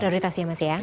prioritas ya mas ya